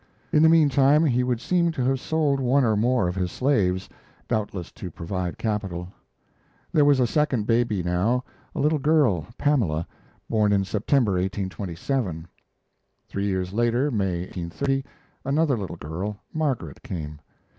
In the mean time he would seem to have sold one or more of his slaves, doubtless to provide capital. There was a second baby now a little girl, Pamela, born in September, 1827. Three years later, May 1830, another little girl, Margaret, came.